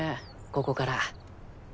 ここから。